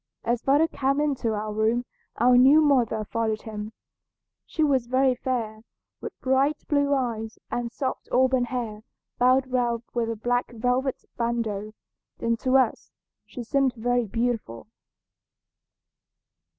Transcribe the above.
As father came into our room our new mother followed him. She was very fair, with bright blue eyes, and soft auburn hair bound round with a black velvet bandeau, and to us she seemed very beautiful.